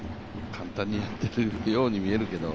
簡単にやっているように見えるけど。